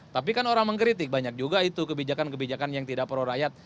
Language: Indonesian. tapi kan orang mengkritik banyak juga itu kebijakan kebijakan yang tidak pro rakyat